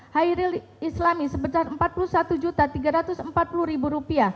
hairil islami sebesar rp empat puluh satu tiga ratus empat puluh